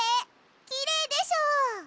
きれいでしょ？